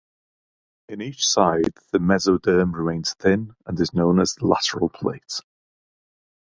In each side, the mesoderm remains thin and is known as the lateral plate.